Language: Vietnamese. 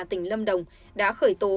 tỉnh lâm đồng đã khởi tố